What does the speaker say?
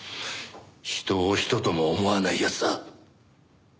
人を人とも思わない奴だ。